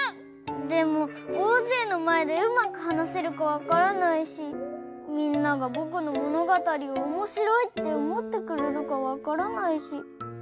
でもおおぜいのまえでうまくはなせるかわからないしみんながぼくのものがたりをおもしろいっておもってくれるかわからないし。